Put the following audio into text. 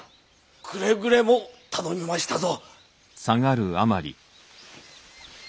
くれぐれも頼みましたぞ。